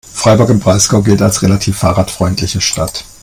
Freiburg im Breisgau gilt als relativ fahrradfreundliche Stadt.